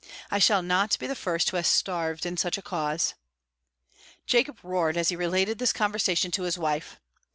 "I shall not be the first who has starved in such a cause." Jacob roared as he related this conversation to his wife.